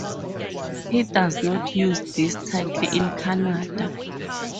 He does not use this title in Canada.